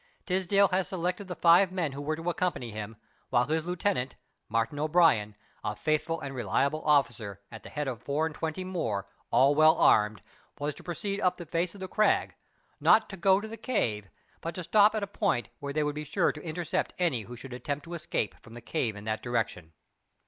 Tisdale had selected the five men who were to accompany him, while his lieutenant Martin O'Brien a faithful and reliable officer, at the head of four and twenty more, all well armed, was to proceed up the face of the Crag not to go to the cave but to stop at a point where they would be sure to intercept any who should attempt to escape from the cave in that direction.